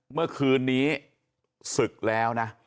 เมื่อคืนนี้ศึกแล้วนะ